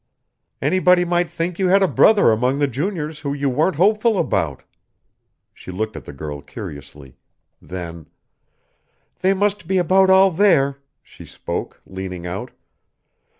"Anybody might think you had a brother among the juniors who you weren't hopeful about." She looked at the girl curiously. Then: "They must be about all there," she spoke, leaning out.